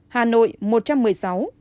hà nội một trăm một mươi sáu